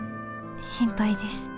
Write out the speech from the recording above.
心配です。